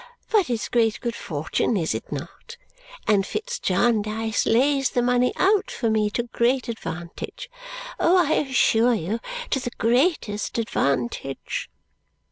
But it's great good fortune, is it not? And Fitz Jarndyce lays the money out for me to great advantage. Oh, I assure you to the greatest advantage!"